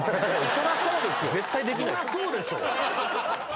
そりゃそうでしょ！